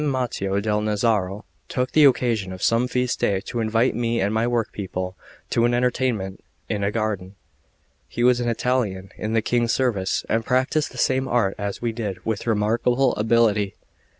Mattio del Nazaro took the occasion of some feast day to invite me and my workpeople to an entertainment in a garden. He was an Italian in the King's service, and practised the same art as we did with remarkable ability.